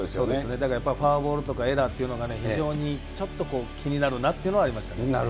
だからやっぱりフォアボールとかエラーっていうのが非常にちょっとこう、気になるなというのはありましたね。